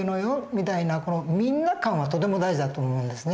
みたいなみんな感はとても大事だと思うんですね。